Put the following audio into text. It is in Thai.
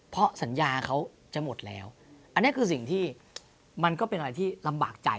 เพราะสัญญาเขาจะหมดแล้วอันนี้คือสิ่งที่มันก็เป็นอะไรที่ลำบากใจ